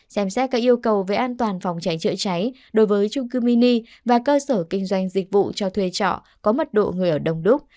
xem xét các yêu cầu về an toàn phòng cháy chữa cháy đối với trung cư mini và cơ sở kinh doanh dịch vụ cho thuê trọ có mật độ người ở đồng đúc